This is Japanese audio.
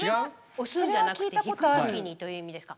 押すんじゃなくて引く時にという意味ですか？